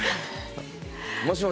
「もしもし。